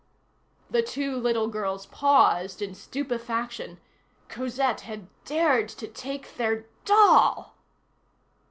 The two little girls paused in stupefaction; Cosette had dared to take their doll!